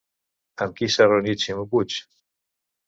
Amb qui s'ha reunit Ximo Puig?